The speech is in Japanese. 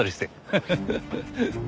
ハハハハ。